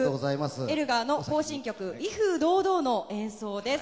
エルガーの行進曲「威風堂々」の演奏です。